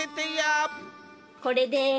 これです。